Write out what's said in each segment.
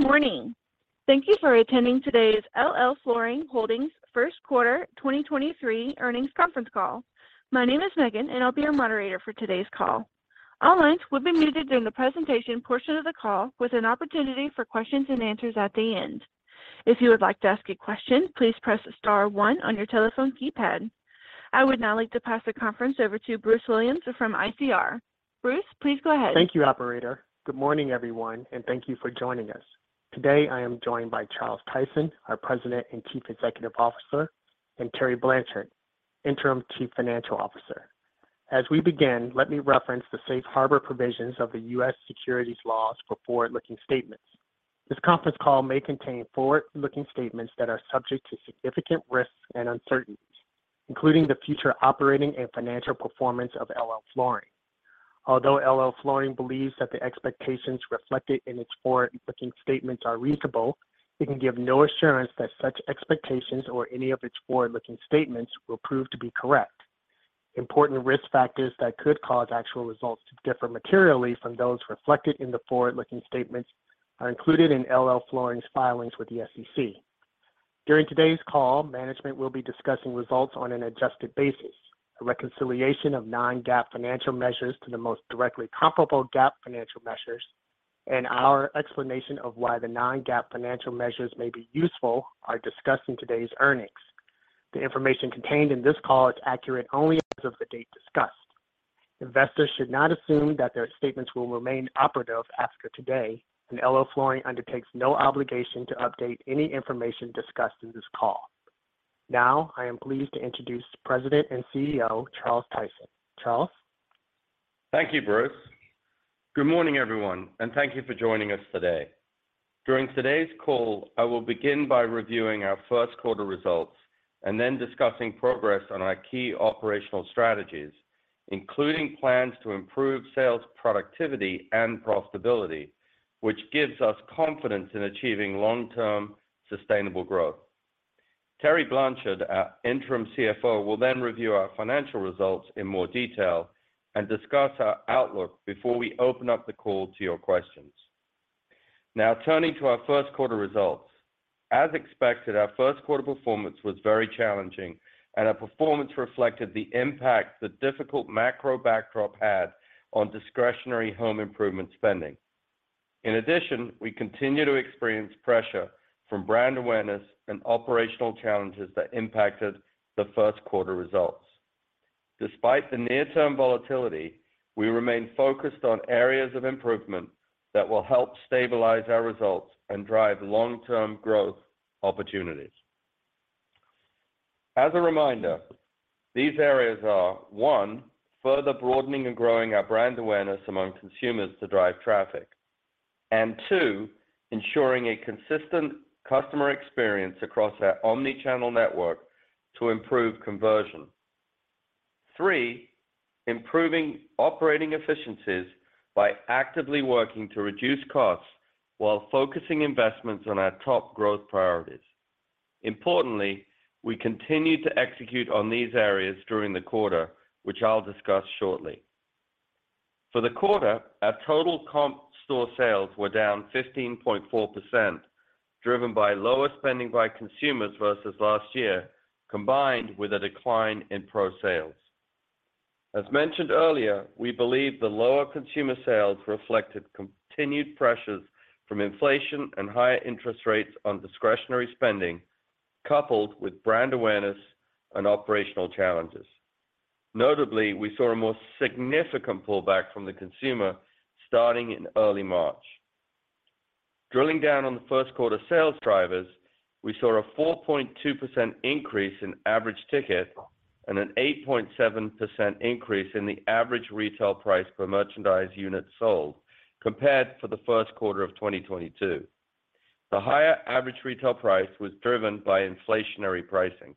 Good morning. Thank you for attending today's LL Flooring Holdings Q1 2023 Earnings Conference Call. My name is Megan, and I'll be your moderator for today's call. All lines will be muted during the presentation portion of the call with an opportunity for questions and answers at the end. If you would like to ask a question, please press star one your telephone keypad. I would now like to pass the conference over to Bruce Williams from ICR. Bruce, please go ahead. Thank you, operator. Good morning, everyone, and thank you for joining us. Today, I am joined by Charles Tyson, our President and Chief Executive Officer, and Terry Blanchard, Interim Chief Financial Officer. As we begin, let me reference the safe harbor provisions of the U.S. securities laws for forward-looking statements. This conference call may contain forward-looking statements that are subject to significant risks and uncertainties, including the future operating and financial performance of LL Flooring. Although LL Flooring believes that the expectations reflected in its forward-looking statements are reasonable, it can give no assurance that such expectations or any of its forward-looking statements will prove to be correct. Important risk factors that could cause actual results to differ materially from those reflected in the forward-looking statements are included in LL Flooring's filings with the SEC. During today's call, management will be discussing results on an adjusted basis, a reconciliation of non-GAAP financial measures to the most directly comparable GAAP financial measures, and our explanation of why the non-GAAP financial measures may be useful are discussed in today's earnings. The information contained in this call is accurate only as of the date discussed. Investors should not assume that their statements will remain operative after today. LL Flooring undertakes no obligation to update any information discussed in this call. I am pleased to introduce President and CEO, Charles Tyson. Charles? Thank you, Bruce. Good morning, everyone, and thank you for joining us today. During today's call, I will begin by reviewing our first quarter results and then discussing progress on our key operational strategies, including plans to improve sales productivity and profitability, which gives us confidence in achieving long-term sustainable growth. Terry Blanchard, our interim CFO, will then review our financial results in more detail and discuss our outlook before we open up the call to your questions. Turning to our first quarter results. As expected, our first quarter performance was very challenging, and our performance reflected the impact the difficult macro backdrop had on discretionary home improvement spending. In addition, we continue to experience pressure from brand awareness and operational challenges that impacted the first quarter results. Despite the near-term volatility, we remain focused on areas of improvement that will help stabilize our results and drive long-term growth opportunities. As a reminder, these areas are, 1, further broadening and growing our brand awareness among consumers to drive traffic. 2, ensuring a consistent customer experience across our omnichannel network to improve conversion. 3, improving operating efficiencies by actively working to reduce costs while focusing investments on our top growth priorities. Importantly, we continued to execute on these areas during the quarter, which I'll discuss shortly. For the quarter, our total comp store sales were down 15.4%, driven by lower spending by consumers versus last year, combined with a decline in pro sales. As mentioned earlier, we believe the lower consumer sales reflected continued pressures from inflation and higher interest rates on discretionary spending, coupled with brand awareness and operational challenges. Notably, we saw a more significant pullback from the consumer starting in early March. Drilling down on the first quarter sales drivers, we saw a 4.2% increase in average ticket and an 8.7% increase in the average retail price per merchandise unit sold compared for the first quarter of 2022. The higher average retail price was driven by inflationary pricing.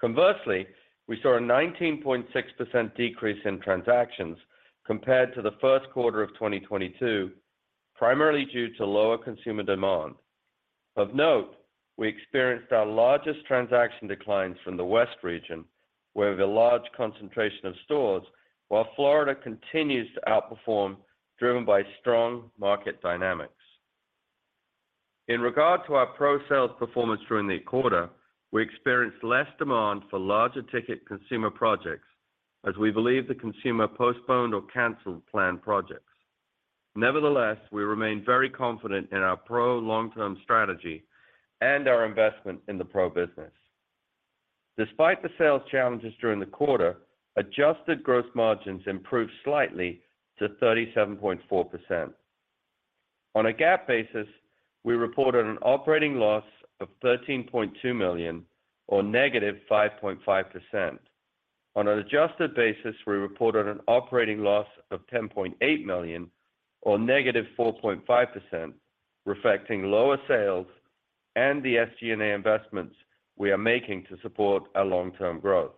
Conversely, we saw a 19.6% decrease in transactions compared to the first quarter of 2022, primarily due to lower consumer demand. Of note, we experienced our largest transaction declines from the West region, where the large concentration of stores, while Florida continues to outperform, driven by strong market dynamics. In regard to our pro sales performance during the quarter, we experienced less demand for larger ticket consumer projects as we believe the consumer postponed or canceled planned projects. Nevertheless, we remain very confident in our pro long-term strategy and our investment in the pro business. Despite the sales challenges during the quarter, adjusted gross margins improved slightly to 37.4%. On a GAAP basis, we reported an operating loss of $13.2 million or negative 5.5%. On an adjusted basis, we reported an operating loss of $10.8 million or negative 4.5%, reflecting lower sales and the SG&A investments we are making to support our long-term growth.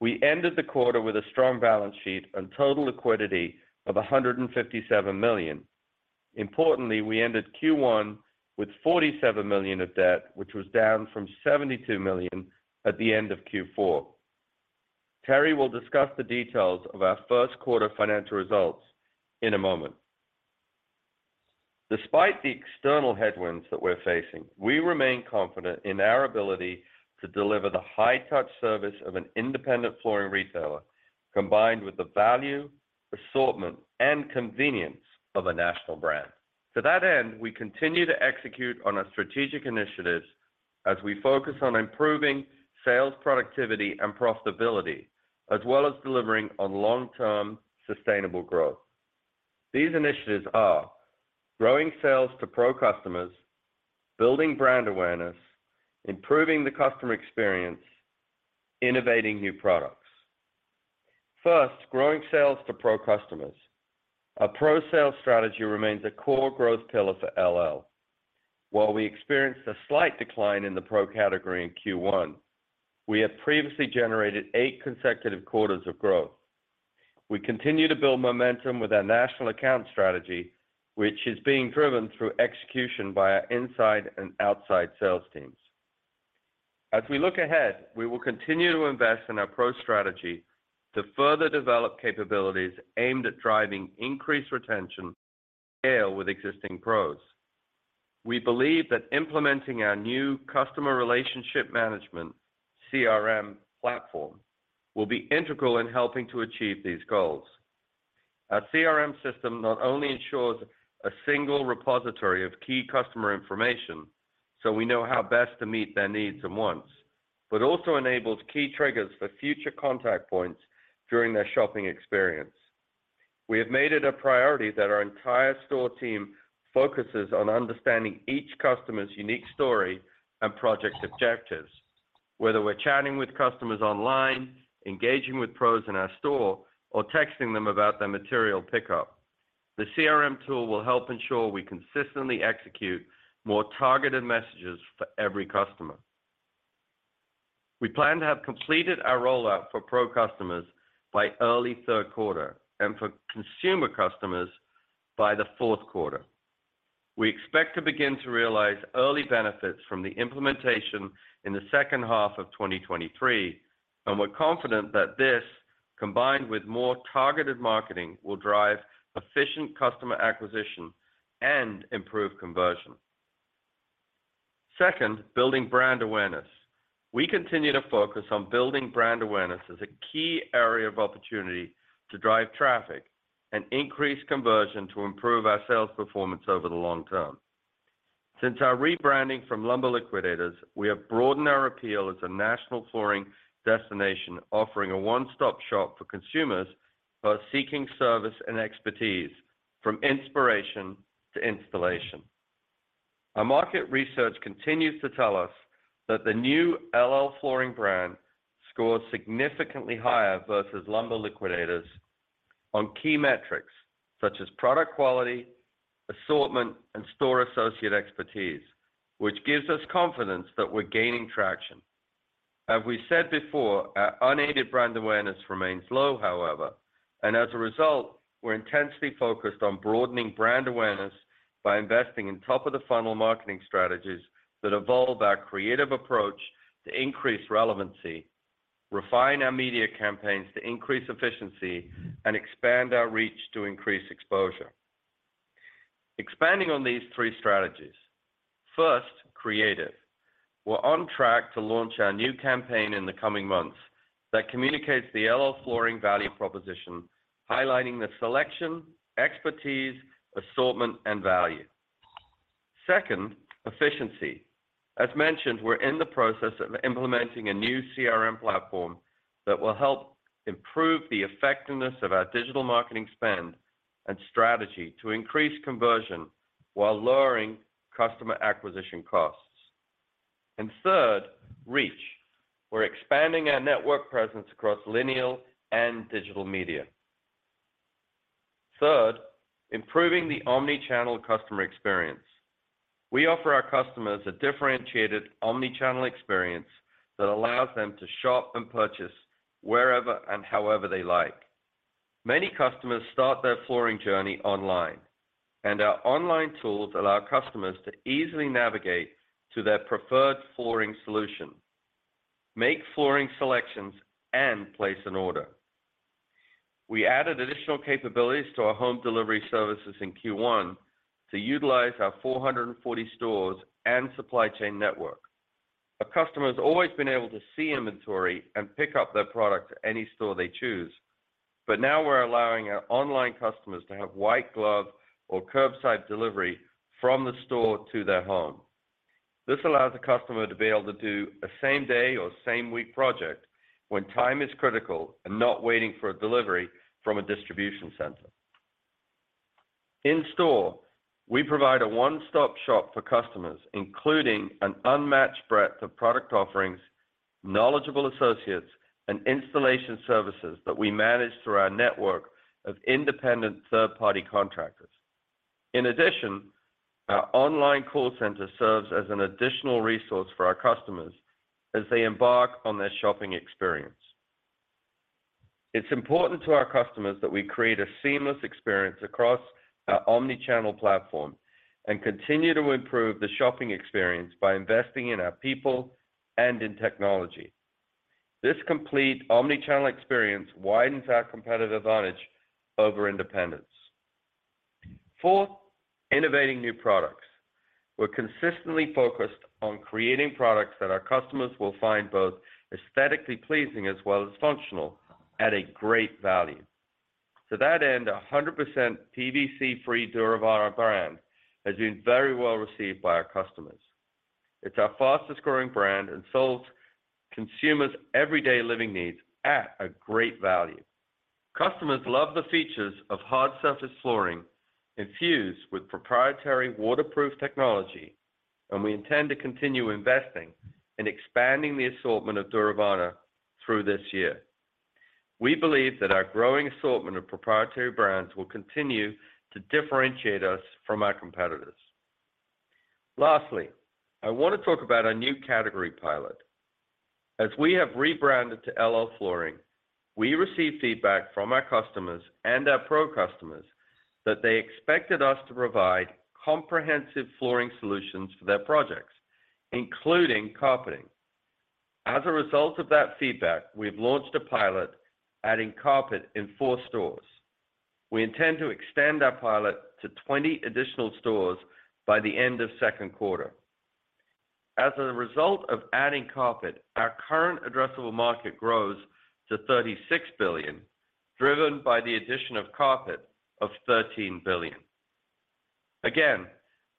We ended the quarter with a strong balance sheet and total liquidity of $157 million. Importantly, we ended Q1 with $47 million of debt, which was down from $72 million at the end of Q4. Terry will discuss the details of our first quarter financial results in a moment. Despite the external headwinds that we're facing, we remain confident in our ability to deliver the high-touch service of an independent flooring retailer, combined with the value, assortment, and convenience of a national brand. To that end, we continue to execute on our strategic initiatives as we focus on improving sales productivity and profitability, as well as delivering on long-term sustainable growth. These initiatives are growing sales to pro customers, building brand awareness, improving the customer experience, innovating new products. First, growing sales to pro customers. Our pro sales strategy remains a core growth pillar for LL. While we experienced a slight decline in the pro category in Q1, we have previously generated eight consecutive quarters of growth. We continue to build momentum with our national account strategy, which is being driven through execution by our inside and outside sales teams. As we look ahead, we will continue to invest in our pro strategy to further develop capabilities aimed at driving increased retention scale with existing pros. We believe that implementing our new customer relationship management, CRM, platform will be integral in helping to achieve these goals. Our CRM system not only ensures a single repository of key customer information, so we know how best to meet their needs and wants, but also enables key triggers for future contact points during their shopping experience. We have made it a priority that our entire store team focuses on understanding each customer's unique story and project objectives. Whether we're chatting with customers online, engaging with pros in our store, or texting them about their material pickup, the CRM tool will help ensure we consistently execute more targeted messages for every customer. We plan to have completed our rollout for pro customers by early third quarter and for consumer customers by the fourth quarter. We expect to begin to realize early benefits from the implementation in the second half of 2023, and we're confident that this, combined with more targeted marketing, will drive efficient customer acquisition and improve conversion. Second, building brand awareness. We continue to focus on building brand awareness as a key area of opportunity to drive traffic and increase conversion to improve our sales performance over the long term. Since our rebranding from Lumber Liquidators, we have broadened our appeal as a national flooring destination offering a one-stop shop for consumers who are seeking service and expertise from inspiration to installation. Our market research continues to tell us that the new LL Flooring brand scores significantly higher versus Lumber Liquidators on key metrics such as product quality, assortment, and store associate expertise, which gives us confidence that we're gaining traction. As we said before, our unaided brand awareness remains low, however, and as a result, we're intensely focused on broadening brand awareness by investing in top-of-the-funnel marketing strategies that evolve our creative approach to increase relevancy, refine our media campaigns to increase efficiency, and expand our reach to increase exposure. Expanding on these three strategies. First, creative. We're on track to launch our new campaign in the coming months that communicates the LL Flooring value proposition, highlighting the selection, expertise, assortment, and value. Second, efficiency. As mentioned, we're in the process of implementing a new CRM platform that will help improve the effectiveness of our digital marketing spend and strategy to increase conversion while lowering customer acquisition costs. Third, reach. We're expanding our network presence across linear and digital media. Third, improving the omnichannel customer experience. We offer our customers a differentiated omnichannel experience that allows them to shop and purchase wherever and however they like. Many customers start their flooring journey online, and our online tools allow customers to easily navigate to their preferred flooring solution, make flooring selections, and place an order. We added additional capabilities to our home delivery services in Q1 to utilize our 440 stores and supply chain network. Our customers have always been able to see inventory and pick up their product at any store they choose, but now we're allowing our online customers to have white glove or curbside delivery from the store to their home. This allows the customer to be able to do a same-day or same-week project when time is critical and not waiting for a delivery from a distribution center. In store, we provide a one-stop shop for customers, including an unmatched breadth of product offerings, knowledgeable associates, and installation services that we manage through our network of independent third-party contractors. In addition, our online call center serves as an additional resource for our customers as they embark on their shopping experience. It's important to our customers that we create a seamless experience across our omnichannel platform and continue to improve the shopping experience by investing in our people and in technology. This complete omnichannel experience widens our competitive advantage over independents. Fourth, innovating new products. We're consistently focused on creating products that our customers will find both aesthetically pleasing as well as functional at a great value. To that end, 100% PVC-free Duravana brand has been very well received by our customers. It's our fastest-growing brand and solves consumers' everyday living needs at a great value. Customers love the features of hard surface flooring infused with proprietary waterproof technology, and we intend to continue investing in expanding the assortment of Duravana through this year. We believe that our growing assortment of proprietary brands will continue to differentiate us from our competitors. Lastly, I want to talk about our new category pilot. As we have rebranded to LL Flooring, we received feedback from our customers and our pro customers that they expected us to provide comprehensive flooring solutions for their projects, including carpeting. As a result of that feedback, we've launched a pilot adding carpet in four stores. We intend to extend our pilot to 20 additional stores by the end of second quarter. As a result of adding carpet, our current addressable market grows to $36 billion, driven by the addition of carpet of $13 billion. Again,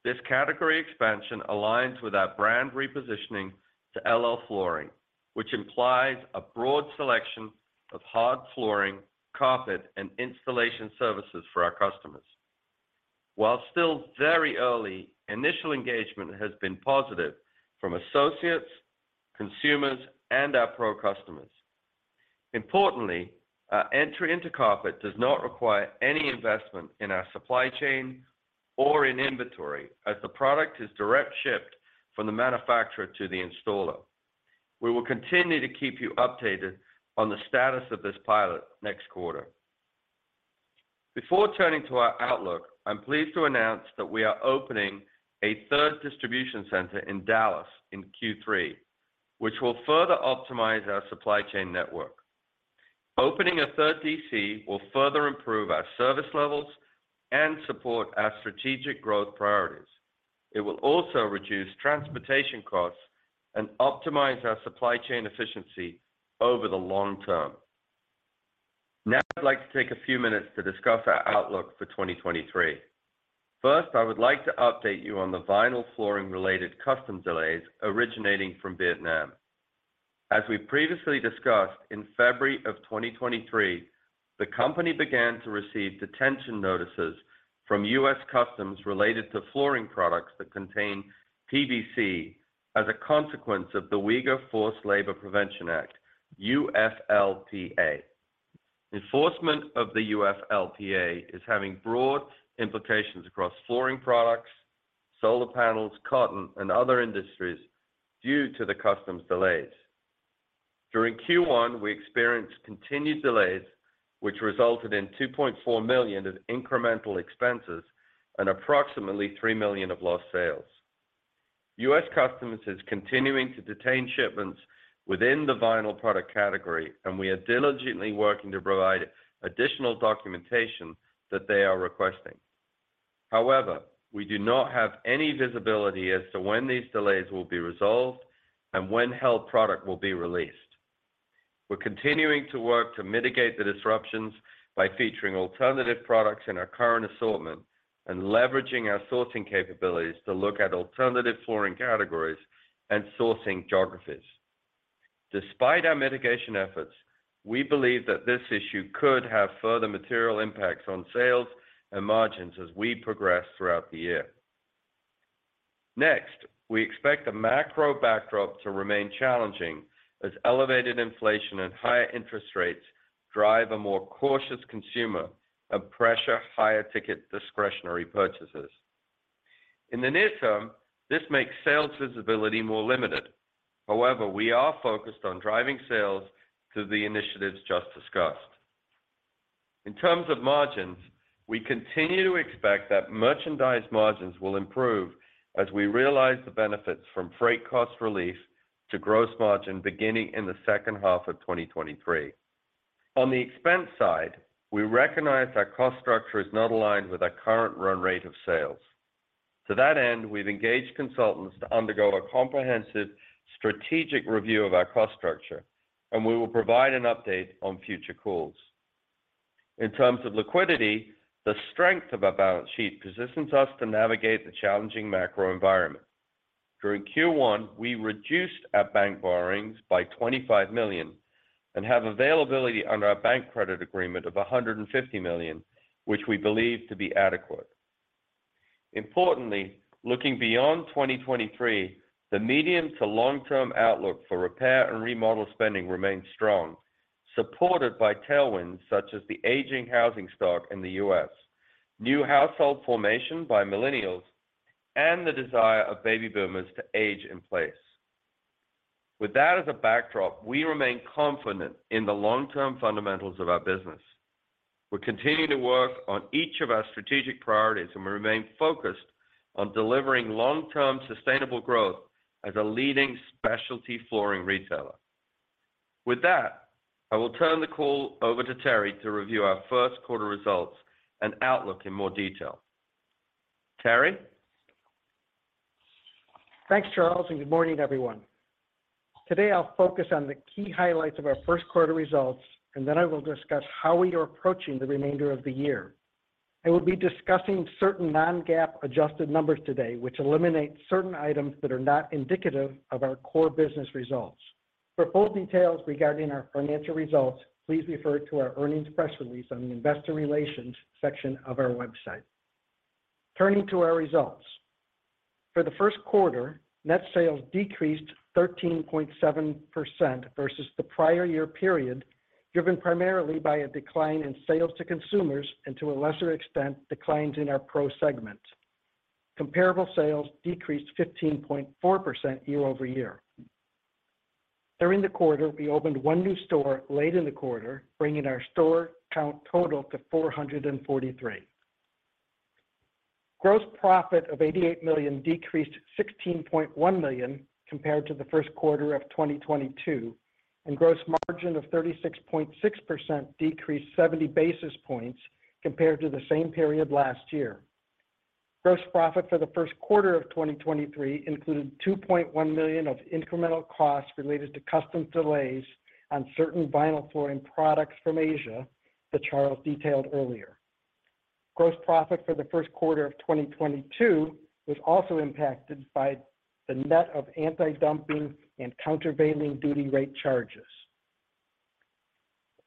this category expansion aligns with our brand repositioning to LL Flooring, which implies a broad selection of hard flooring, carpet, and installation services for our customers. While still very early, initial engagement has been positive from associates, consumers, and our pro customers. Importantly, our entry into carpet does not require any investment in our supply chain or in inventory, as the product is direct shipped from the manufacturer to the installer. We will continue to keep you updated on the status of this pilot next quarter. Before turning to our outlook, I'm pleased to announce that we are opening a third distribution center in Dallas in Q3, which will further optimize our supply chain network. Opening a third DC will further improve our service levels and support our strategic growth priorities. It will also reduce transportation costs and optimize our supply chain efficiency over the long term. Now, I'd like to take a few minutes to discuss our outlook for 2023. First, I would like to update you on the vinyl flooring related customs delays originating from Vietnam. As we previously discussed, in February of 2023, the company began to receive detention notices from U.S. Customs related to flooring products that contain PVC as a consequence of the Uyghur Forced Labor Prevention Act, UFLPA. Enforcement of the UFLPA is having broad implications across flooring products, solar panels, cotton, and other industries due to the customs delays. During Q1, we experienced continued delays, which resulted in $2.4 million of incremental expenses and approximately $3 million of lost sales. U.S. Customs is continuing to detain shipments within the vinyl product category, and we are diligently working to provide additional documentation that they are requesting. However, we do not have any visibility as to when these delays will be resolved and when held product will be released. We're continuing to work to mitigate the disruptions by featuring alternative products in our current assortment and leveraging our sourcing capabilities to look at alternative flooring categories and sourcing geographies. Despite our mitigation efforts, we believe that this issue could have further material impacts on sales and margins as we progress throughout the year. Next, we expect the macro backdrop to remain challenging as elevated inflation and higher interest rates drive a more cautious consumer and pressure higher-ticket discretionary purchases. In the near term, this makes sales visibility more limited. However, we are focused on driving sales to the initiatives just discussed. In terms of margins, we continue to expect that merchandise margins will improve as we realize the benefits from freight cost relief to gross margin beginning in the second half of 2023. On the expense side, we recognize our cost structure is not aligned with our current run rate of sales. To that end, we've engaged consultants to undergo a comprehensive strategic review of our cost structure. We will provide an update on future calls. In terms of liquidity, the strength of our balance sheet positions us to navigate the challenging macro environment. During Q1, we reduced our bank borrowings by $25 million and have availability under our bank credit agreement of $150 million, which we believe to be adequate. Importantly, looking beyond 2023, the medium to long-term outlook for repair and remodel spending remains strong, supported by tailwinds such as the aging housing stock in the U.S., new household formation by millennials, and the desire of baby boomers to age in place. With that as a backdrop, we remain confident in the long-term fundamentals of our business. We're continuing to work on each of our strategic priorities. We remain focused on delivering long-term sustainable growth as a leading specialty flooring retailer. With that, I will turn the call over to Terry to review our first quarter results and outlook in more detail. Terry? Thanks, Charles, and good morning, everyone. Today, I'll focus on the key highlights of our first quarter results, and then I will discuss how we are approaching the remainder of the year. I will be discussing certain non-GAAP adjusted numbers today, which eliminate certain items that are not indicative of our core business results. For full details regarding our financial results, please refer to our earnings press release on the investor relations section of our website. Turning to our results. For the first quarter, net sales decreased 13.7% versus the prior year period, driven primarily by a decline in sales to consumers and to a lesser extent, declines in our pro segment. Comparable sales decreased 15.4% year-over-year. During the quarter, we opened one new store late in the quarter, bringing our store count total to 443. Gross profit of $88 million decreased $16.1 million compared to the first quarter of 2022, and gross margin of 36.6% decreased 70 basis points compared to the same period last year. Gross profit for the first quarter of 2023 included $2.1 million of incremental costs related to custom delays on certain vinyl flooring products from Asia that Charles detailed earlier. Gross profit for the first quarter of 2022 was also impacted by the net of antidumping and countervailing duty rate charges.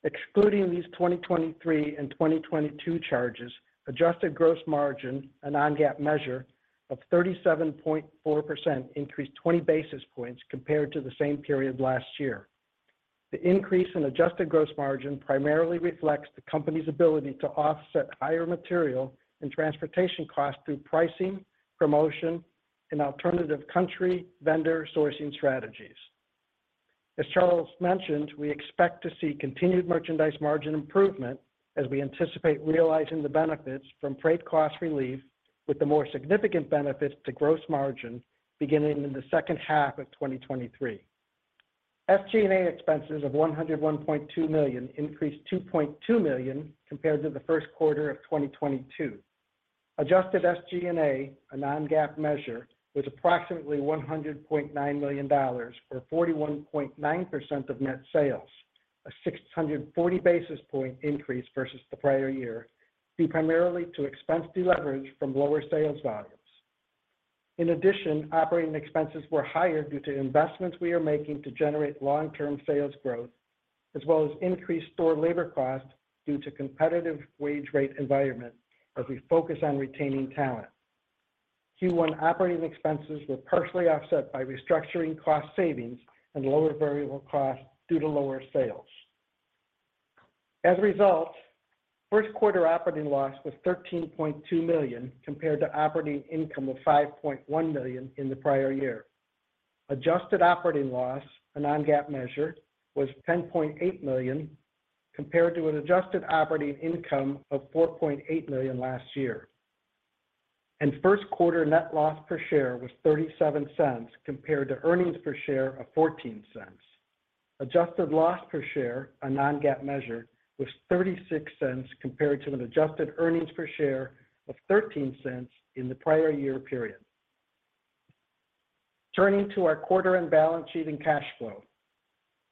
Excluding these 2023 and 2022 charges, adjusted gross margin, a non-GAAP measure of 37.4% increased 20 basis points compared to the same period last year. The increase in adjusted gross margin primarily reflects the company's ability to offset higher material and transportation costs through pricing, promotion, and alternative country vendor sourcing strategies. As Charles mentioned, we expect to see continued merchandise margin improvement as we anticipate realizing the benefits from freight cost relief with the more significant benefits to gross margin beginning in the second half of 2023. SG&A expenses of $101.2 million increased $2.2 million compared to the first quarter of 2022. Adjusted SG&A, a non-GAAP measure, was approximately $100.9 million, or 41.9% of net sales, a 640 basis point increase versus the prior year, due primarily to expense deleverage from lower sales volumes. Operating expenses were higher due to investments we are making to generate long-term sales growth, as well as increased store labor costs due to competitive wage rate environment as we focus on retaining talent. Q1 operating expenses were partially offset by restructuring cost savings and lower variable costs due to lower sales. As a result, first quarter operating loss was $13.2 million compared to operating income of $5.1 million in the prior year. Adjusted operating loss, a non-GAAP measure, was $10.8 million compared to an adjusted operating income of $4.8 million last year. First quarter net loss per share was $0.37 compared to earnings per share of $0.14. Adjusted loss per share, a non-GAAP measure, was $0.36 compared to an adjusted earnings per share of $0.13 in the prior year period. Turning to our quarter-end balance sheet and cash flow.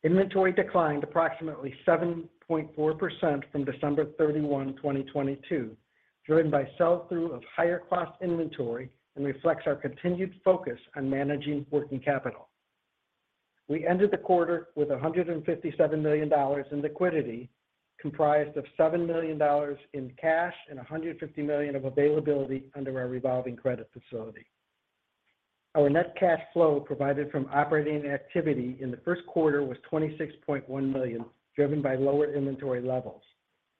Inventory declined approximately 7.4% from December 31, 2022, driven by sell-through of higher cost inventory and reflects our continued focus on managing working capital. We ended the quarter with $157 million in liquidity, comprised of $7 million in cash and $150 million of availability under our revolving credit facility. Our net cash flow provided from operating activity in the first quarter was $26.1 million, driven by lower inventory levels.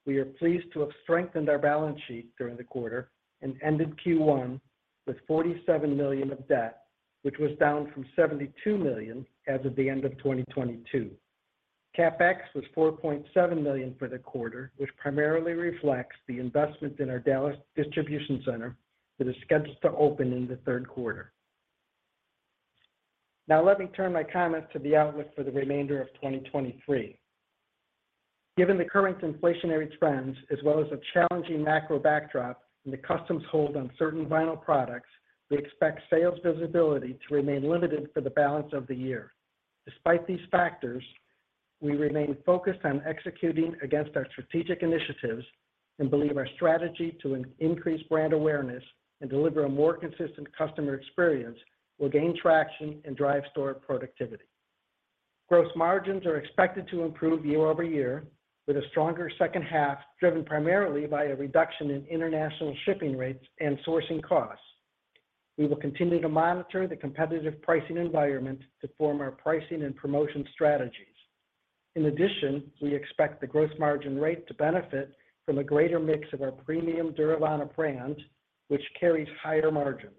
We are pleased to have strengthened our balance sheet during the quarter and ended Q1 with $47 million of debt, which was down from $72 million as of the end of 2022. CapEx was $4.7 million for the quarter, which primarily reflects the investment in our Dallas distribution center that is scheduled to open in the third quarter. Now let me turn my comments to the outlook for the remainder of 2023. Given the current inflationary trends, as well as a challenging macro backdrop and the customs hold on certain vinyl products, we expect sales visibility to remain limited for the balance of the year. Despite these factors, we remain focused on executing against our strategic initiatives and believe our strategy to increase brand awareness and deliver a more consistent customer experience will gain traction and drive store productivity. Gross margins are expected to improve year-over-year with a stronger second half, driven primarily by a reduction in international shipping rates and sourcing costs. We will continue to monitor the competitive pricing environment to form our pricing and promotion strategies. In addition, we expect the gross margin rate to benefit from a greater mix of our premium Duravana brand, which carries higher margins.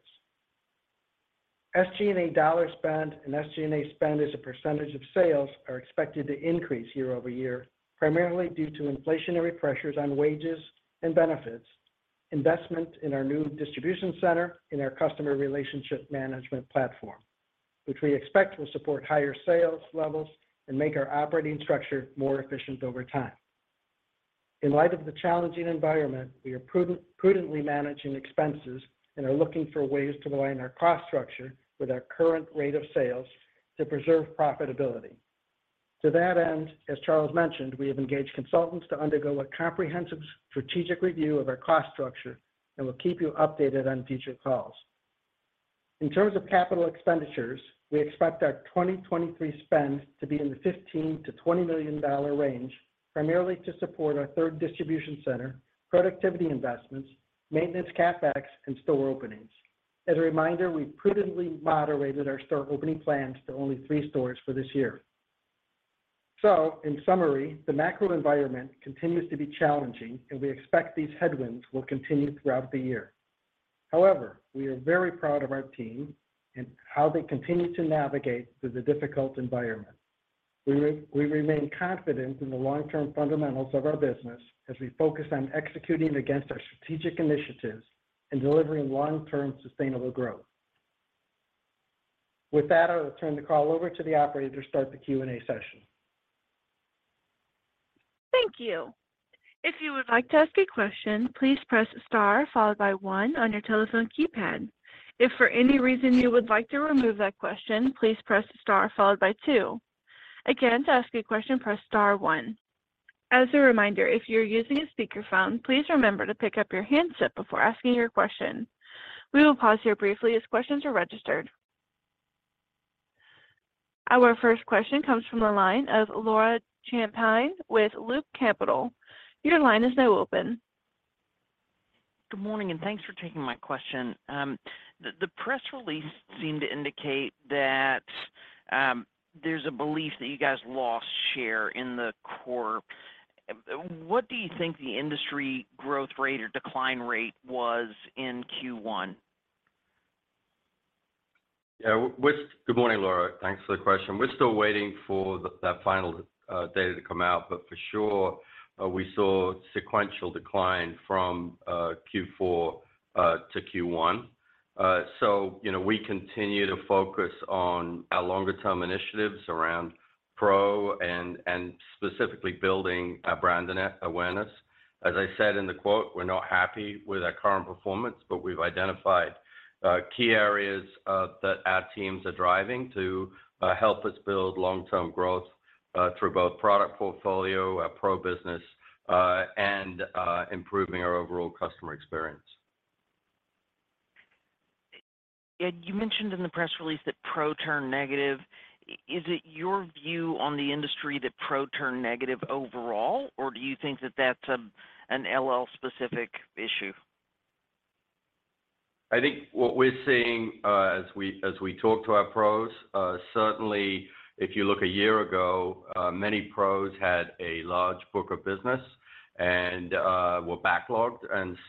SG&A dollar spend and SG&A spend as a % of sales are expected to increase year-over-year, primarily due to inflationary pressures on wages and benefits, investment in our new distribution center and our customer relationship management platform, which we expect will support higher sales levels and make our operating structure more efficient over time. In light of the challenging environment, we are prudently managing expenses and are looking for ways to align our cost structure with our current rate of sales to preserve profitability. To that end, as Charles mentioned, we have engaged consultants to undergo a comprehensive strategic review of our cost structure, and we'll keep you updated on future calls. In terms of capital expenditures, we expect our 2023 spend to be in the $15 million-$20 million range, primarily to support our third distribution center, productivity investments, maintenance CapEx, and store openings. As a reminder, we prudently moderated our store opening plans to only 3 stores for this year. In summary, the macro environment continues to be challenging, and we expect these headwinds will continue throughout the year. However, we are very proud of our team and how they continue to navigate through the difficult environment. We remain confident in the long-term fundamentals of our business as we focus on executing against our strategic initiatives and delivering long-term sustainable growth. With that, I'll turn the call over to the operator to start the Q&A session. Thank you. If you would like to ask a question, please press star followed by one on your telephone keypad. If for any reason you would like to remove that question, please press star followed by two. Again, to ask a question, press star one. As a reminder, if you're using a speakerphone, please remember to pick up your handset before asking your question. We will pause here briefly as questions are registered. Our first question comes from the line of Laura Champine with Loop Capital. Your line is now open. Good morning, thanks for taking my question. The press release seemed to indicate that, there's a belief that you guys lost share in the core. What do you think the industry growth rate or decline rate was in Q1? Good morning, Laura. Thanks for the question. We're still waiting for that final data to come out, but for sure, we saw sequential decline from Q4 to Q1. You know, we continue to focus on our longer term initiatives around pro and specifically building our brand awareness. As I said in the quote, we're not happy with our current performance, but we've identified key areas that our teams are driving to help us build long-term growth through both product portfolio, pro business, and improving our overall customer experience. Did, you mentioned in the press release that pro turned negative. Is it your view on the industry that pro turned negative overall, or do you think that that's an LL specific issue? I think what we're seeing, as we talk to our pros, certainly if you look a year ago, many pros had a large book of business and were backlogged.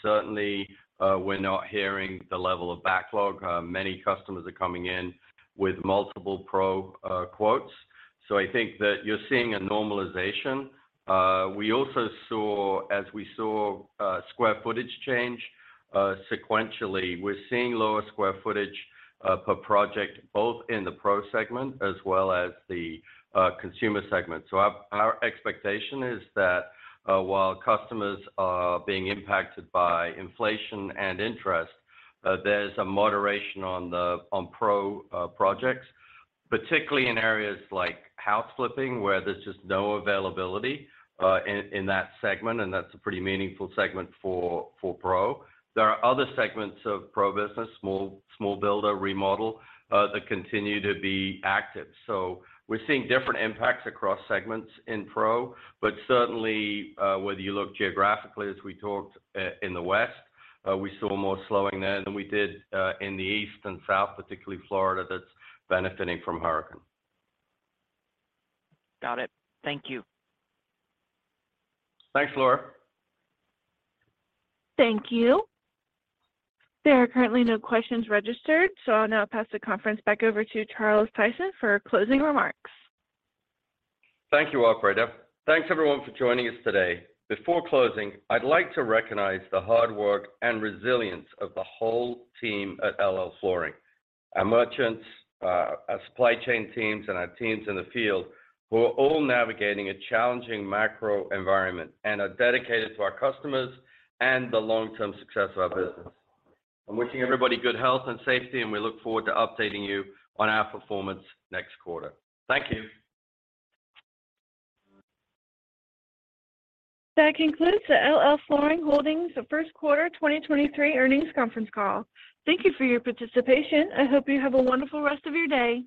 Certainly, we're not hearing the level of backlog. Many customers are coming in with multiple pro quotes. I think that you're seeing a normalization. As we saw square footage change sequentially, we're seeing lower square footage per project, both in the pro segment as well as the consumer segment. Our expectation is that while customers are being impacted by inflation and interest, there's a moderation on pro projects, particularly in areas like house flipping, where there's just no availability in that segment, and that's a pretty meaningful segment for pro. There are other segments of pro business, small builder, remodel, that continue to be active. We're seeing different impacts across segments in pro. Certainly, whether you look geographically, as we talked, in the west, we saw more slowing there than we did, in the east and south, particularly Florida, that's benefiting from hurricane. Got it. Thank you. Thanks, Laura. Thank you. There are currently no questions registered. I'll now pass the conference back over to Charles Tyson for closing remarks. Thank you, operator. Thanks, everyone for joining us today. Before closing, I'd like to recognize the hard work and resilience of the whole team at LL Flooring. Our merchants, our supply chain teams, and our teams in the field, who are all navigating a challenging macro environment and are dedicated to our customers and the long-term success of our business. I'm wishing everybody good health and safety, and we look forward to updating you on our performance next quarter. Thank you. That concludes the LL Flooring Holdings Q1 2023 Earnings Conference Call. Thank you for your participation. I hope you have a wonderful rest of your day.